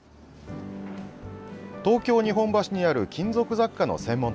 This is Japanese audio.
東京・日本橋にある金属雑貨の専門店。